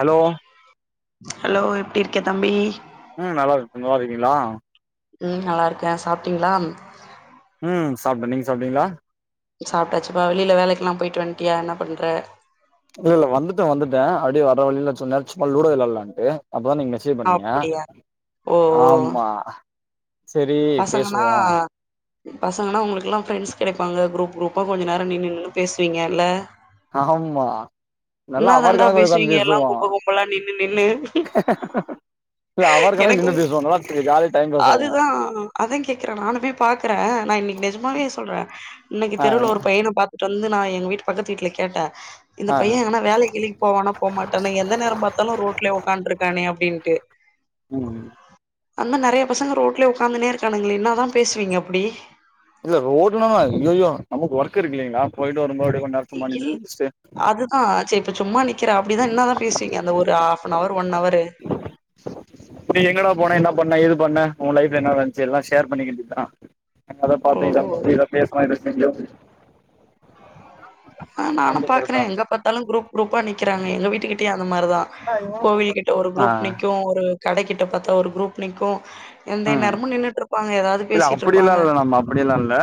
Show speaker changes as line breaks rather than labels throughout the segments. hello
hello எப்டிருக்கே தம்பி
ம் நல்லாருக்கு நல்லாருக்கீங்ளா
ம் நல்லார்க்கே சாப்ட்டீங்ளாம்
ம் சாப்ட்டே நீங் சாப்டீங்ளா
சாப்டாச்சிப்பா வெளில வேலைக்லாம் போயிட்டு வன்ட்டியா என்னாப் பண்ற
இல்ல இல்ல வந்துட்டே வந்துட்டே அப்டியே வர வழில கொஞ் நேரோ சும்மா லூடோ வெளால்லான்ட்டு அப்பதா நீங் மெச் சில் பண்ணிங்க
அப்டியா ஓ ஓ
ஆமா செரி
பசங்கன்னா
பேசுவோ
பசங்கன்னா உங்களுக்கு எலலா ஃப்ரெண்ட்ஸ் கெடைப்பா குரூப் குரூப்ப கொஞ்சோ நேரோ நின்னு நின்னு பேசுவிங்கல்ல
ஆமா நல்லா அவர்
தாண்டா
கணக்கா ஒக்காந்து
பேசுவீங்க எல்லா
பேசுவோ
கும்ப கும்பலா நின்னு நின்னு
இல்ல அவரு காணக்கா
எனக்கு
நின்னு பேசுவோ நல்லா ஜாலியா டைம் பாஸ் ஆகு
அதுதா அதா கேக்குறே நானுமே பாக்குறே நா இன்னைக்கி நிஜமாவே சொல்றே இன்னைக்கி
ஆ
தெருவுல ஒரு பையன பாத்துட்டு வந்து நா எங்க வீட்டு பக்கத்து வீட்ல கேட்டேன் இந்த
ஆ
பைய எங்கன்னா வேலக் கிலைக் போவானா போ மாட்டானா எந்த நேரோ பாத்தாலு ரோட்லேயே ஒக்கான்ட்டு இருக்கானே அப்டின்ட்டு
ம்
அந்தமாரி நறைய பசங்க ரோட்லயே ஒக்காந்துனே இருக்கானுங்களே என்ன தா பேசுவீங்க அப்டி
இல்ல ரோட்லல்லா ஐயையோ நமக்கு ஒர்க் இரு இல்லைங்ளா போயிட்டு வரும் போது அப்டியே கொஞ்ச நேரோ சும்மா
இல்
நின்னுட்டு இருந்துட்டு
அதுதா சைரி இப்ப சும்மா நிக்கிற அப்டிதா என்ன தா பேசுவீங்க அந்த ஒரு ஹாப்னவரூ ஒன் அவரு
டேய் எங்கடா போனே என்ன பண்ண ஏது பண்ண உ லைப்ல என்ன நடந்துச்சி எல்லா ஷேர் பண்ணிக வேண்டியது தா அத பாத்தே இத
ஓஹோ
பாத்தே இத பேசுனா இத செஞ்சோ
ஆ நானு பாக்குறே
அப்டிங்கறதா
எங்க பாத்தாலு குரூப் குரூப்பா நிக்கறாங்க எங்க வீட்டுக்கிட்டயு அந்த மாரிதா கோவில் கிட்ட ஒரு
ஆ
குரூப் நீக்கு ஒரு கடக்கிட்ட பாத்தா ஒரு குரூப் நீக்கு எந்த
ம்
நேரமு நின்னுட்டு இருப்பாங்க ஏதாவது பேசிட்டு இருப்பாங்க
ஆப்டி எல்லா இல்ல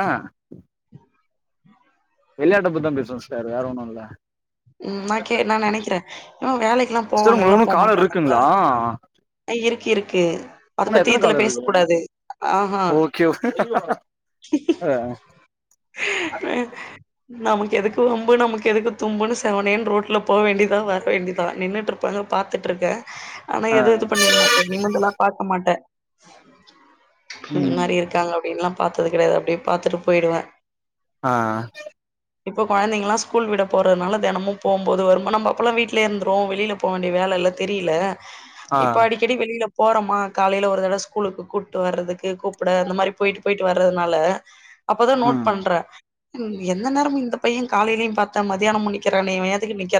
விளையாட்ட பத்திதா சிஸ்டர் பேசுவோ வேற ஒன்னு இல்ல
ம் நா கே நா நெனைக்கிறே இவே வேலைக்கெல்லா
சார் உங்களுக்கு
போவானுங்ளா
இன்னு காலர்
போமாட்டானுங்ளா
இருக்குங்களா
அ இருக்கு இருக்கு அத
உன்னோ
பத்தி
எத்தன
இதுல
கால் இருக்கு
பேசக்கூடாது ஆஹா
ஓகே அ அது
அ
முடிஞ்சிடோ
நமக்கு எதுக்கு வம்பு நமக்கு எதுக்கு தும்புன்னு செவனேன்னு ரோட்டல போவ வேண்டியதா வர வேண்டியதா நின்னுட்டு இருப்பாங்க பாத்துட்ருக்கே ஆனா
ஆ
எதுவு இது பண்ணிக்க மாட்டே நிமிந்து எல்லா பாக்க மாட்டே ம் நறைய இருக்கு இருக்கங்க அப்டின்லா பாத்தது கெடையாது அப்படியே பாத்துட்டு போயிடுவே
ஆ
இப்ப கொழந்தைங்கல்லா ஸ்கூல் விட போறதுனால தினமு போம்போது வரும் நம்ம அப்ப எல்லா வீட்லயே இருந்துருவோ வெளியில போ வேண்டிய வேல இல்ல தெரியல
ஆ
இப்ப அடிக் அடிக்கடி வெளியில போறோமா காலையில ஒரு தடறவ ஸ்கூக்கு கூப்புட்டு வர்றக்கு கூப்புட அந்த மாரி போயிட்டு போயிட்டு வர்றதுனால அப்போதா நோட்
ம்
பண்ற எந்த நேரமு இந்த பைய காலையிலயு பாத்தே மத்தியானமும் நிக் நிக்கிறானே இவ எதுக்கு நீக்க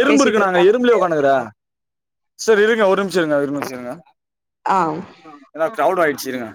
எறும்பு இருக்கு நாங்க எறும்புலயே உட்காக்குற
அப்டின்னு
சேரி இருங்க ஒரு நிம்ஷோ இருங்க ஒரு நம்ஷோ இருங்க
ஆ
ஏன்னா கிரௌட் ஆயிடுச்சுஇ இருங்க